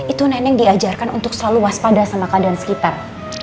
itu neneng diajarkan untuk selalu waspada sama keadaan sekitar